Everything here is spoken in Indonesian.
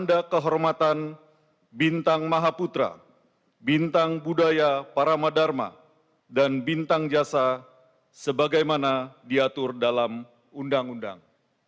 tanda kehormatan bintang mahaputra bintang budaya paramadharma dan bintang jasa sebagaimana diatur dalam undang undang